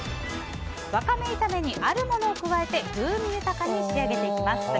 ワカメ炒めにあるものを加えて風味豊かに仕上げていきます。